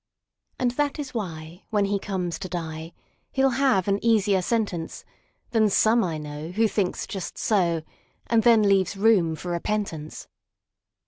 And that is why, when he comes to die, He'll have an easier sentenceThan some one I know who thinks just so, And then leaves room for repentance.